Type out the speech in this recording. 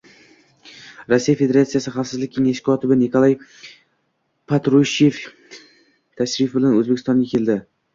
Rossiya Federatsiyasi Xavfsizlik Kengashi kotibi Nikolay Patrushev iy tashrif bilan O'zbekistonga keldi